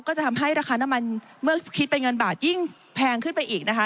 ก็จะทำให้ราคาน้ำมันเมื่อคิดเป็นเงินบาทยิ่งแพงขึ้นไปอีกนะคะ